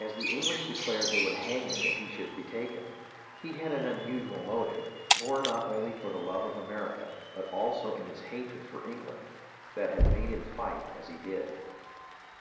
As the English had declared they would hang him if he should be taken, he had an unusual motive, born not only of the love for America, but also of his hatred for England, that had made him fight as he did.